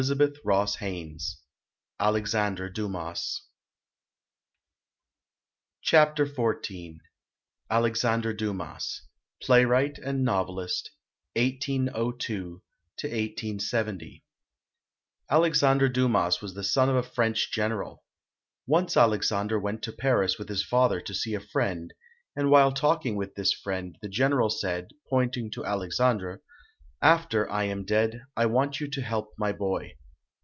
John Boyle O'Reilly. ALEXANDRE DUMAS Chapter XIV ALEXANDRE DUMAS PLAYWRIGHT AND NOVELIST 1802 1870 A LEXANDRE DUMAS was the son of a \. French general. Once Alexandre went to Paris with his father to see a friend, and while talking with this friend, the general said, pointing to Alexandre, "After I am dead, I want you to help my boy".